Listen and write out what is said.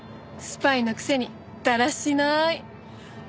スパイのくせにだらしない！